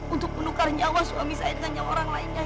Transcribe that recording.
untuk menukar nyawa suami saya dengan nyawa orang lainnya